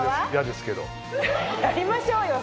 やりましょうよ